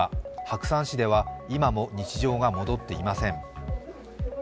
白山市では今も日常が戻っていません。